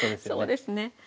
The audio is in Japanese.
そうですね。